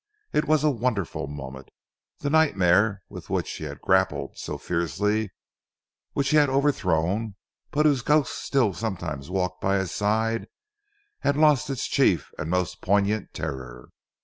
It was a wonderful moment. The nightmare with which he had grappled so fiercely, which he had overthrown, but whose ghost still sometimes walked by his side, had lost its chief and most poignant terror.